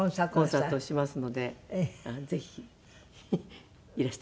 コンサートをしますのでぜひいらしてください。